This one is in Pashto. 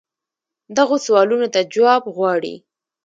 دغو سوالونو ته جواب غواړي.